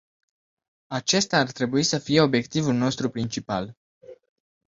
Acesta ar trebui să fie obiectivul nostru principal.